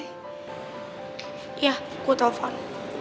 iya ku telpon